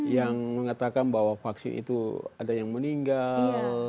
yang mengatakan bahwa vaksin itu ada yang meninggal